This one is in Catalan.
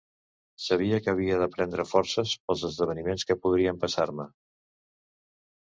Sabia que havia de prendre forces pels esdeveniments que podrien passar-me.